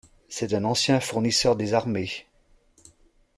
C’est un ancien fournisseur des armées…